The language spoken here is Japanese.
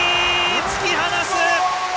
突き放す！